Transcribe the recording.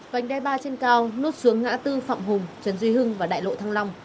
vành đai ba trên cao nút xuống ngã tư phạm hùng trần duy hưng và đại lộ thăng long